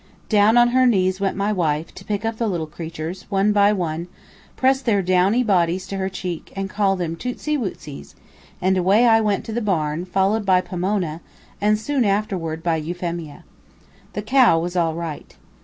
Down on her knees went my wife, to pick up the little creatures, one by one, press their downy bodies to her cheek, and call them tootsy wootsies, and away went I to the barn, followed by Pomona, and soon afterward by Euphemia. The cow was all right.